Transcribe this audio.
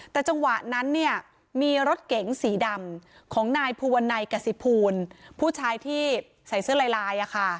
แต่จังหวะนั้นเนี่ยมีรถเก๋งสีดำของนายภูวนัยกษิภูลผู้ชายที่ใส่เสื้อลายลาย